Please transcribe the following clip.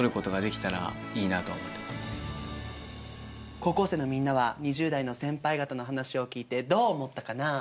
高校生のみんなは２０代の先輩方の話を聞いてどう思ったかなあ？